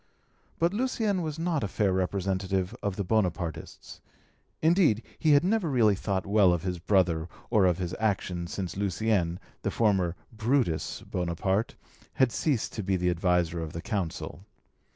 But Lucien was not a fair representative of the Bonapartists; indeed he had never really thought well of his brother or of his actions since Lucien, the former "Brutus" Bonaparte, had ceased to be the adviser of the Consul.